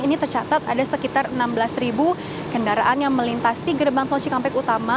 ini tercatat ada sekitar enam belas kendaraan yang melintasi gerbang tol cikampek utama